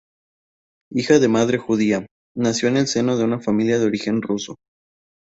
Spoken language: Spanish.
Hija de madre judía, nació en el seno de una familia de origen ruso.